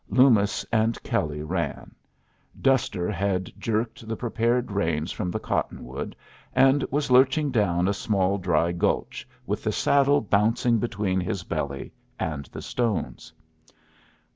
Loomis and Kelley ran. Duster had jerked the prepared reins from the cottonwood, and was lurching down a small dry gulch, with the saddle bouncing between his belly and the stones.